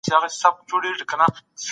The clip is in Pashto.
کاش ما ډېر وخت د مطالعې لپاره درلودای.